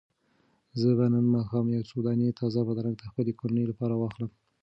زه به نن ماښام یو څو دانې تازه بادرنګ د خپلې کورنۍ لپاره واخلم.